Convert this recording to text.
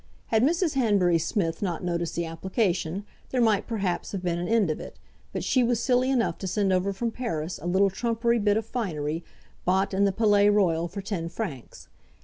Had Mrs. Hanbury Smith not noticed the application, there might, perhaps, have been an end of it, but she was silly enough to send over from Paris a little trumpery bit of finery, bought in the Palais Royal for ten francs.